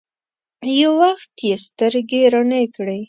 يو وخت يې سترګې رڼې کړې.